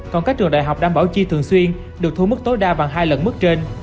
còn các trường đại học đảm bảo chi thường xuyên được thu mức tối đa bằng hai lần mức trên